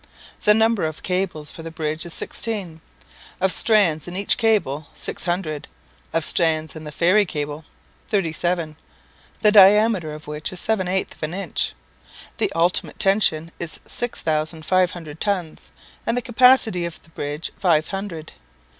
The number of cables for the bridge is sixteen; of strands in each cable, six hundred; of strands in the ferry cable, thirty seven, the diameter of which is seven eighths of an inch. The ultimate tension is six thousand five hundred tons, and the capacity of the bridge five hundred.